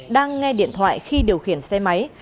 đang nghe điện thoại khi điều khiển xe máy